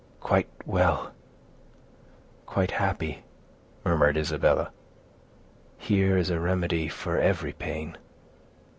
"Quite well—quite happy," murmured Isabella; "here is a remedy for every pain."